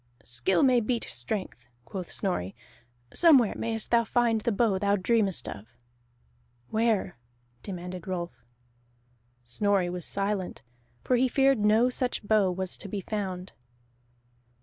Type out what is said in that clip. "Skill may beat strength," quoth Snorri. "Somewhere mayest thou find the bow thou dreamest of." "Where?" demanded Rolf. Snorri was silent, for he feared no such bow was to be found.